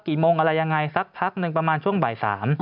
กี่โมงอะไรยังไงสักพักหนึ่งประมาณช่วงบ่าย๓